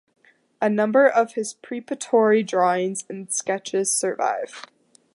A number of his preparatory drawings and sketches survive.